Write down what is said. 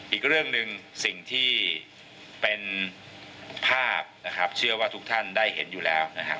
อีกเรื่องหนึ่งสิ่งที่เป็นภาพนะครับเชื่อว่าทุกท่านได้เห็นอยู่แล้วนะครับ